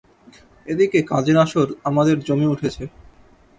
এ দিকে কাজের আসর আমাদের জমে উঠেছে।